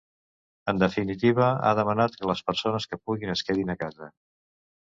En definitiva, ha demanat que les persones que puguin es quedin a casa.